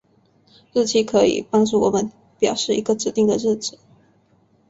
日期可以帮助我们表示一个指定的日子。